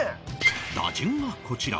打順はこちら